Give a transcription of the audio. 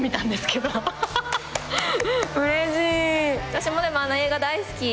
私もでもあの映画大好き。